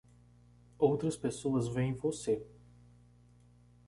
Outras pessoas veem você